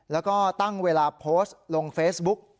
แล้วก็ตั้งเวลาโพสต์ลงเฟซบุ๊ก